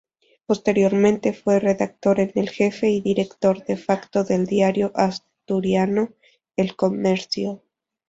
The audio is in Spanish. Posteriormente fue redactor en jefe y director de facto del diario asturiano "El Comercio".